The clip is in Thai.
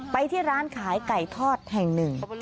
ไปที่ร้านขายไก่ทอดแห่งหนึ่ง